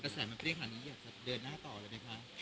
แสมันเปรี้ยงขนาดนี้อยากจะเดินหน้าต่อเลยไหมคะ